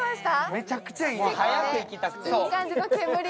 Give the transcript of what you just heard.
めちゃくちゃいい匂い。